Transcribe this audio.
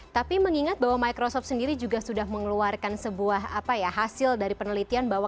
tapi mengingat bahwa microsoft sendiri juga sudah mengeluarkan sebuah hasil dari penelitian bahwa